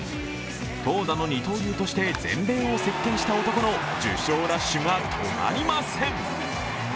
投打の二刀流として全米を席けんした男の受賞ラッシュが止まりません。